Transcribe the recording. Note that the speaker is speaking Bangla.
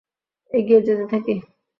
এগিয়ে যেতে থাকি।